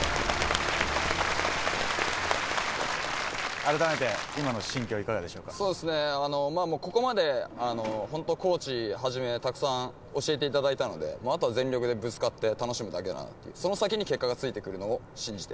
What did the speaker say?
改めて今の心境、いかがでしそうですね、ここまで本当、コーチはじめ、たくさん、教えていただいたので、あとは全力でぶつかって楽しむだけなので、その先に結果がついてくるのを信じて。